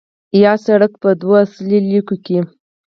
یاد سړک په دوو اصلي لیکو کې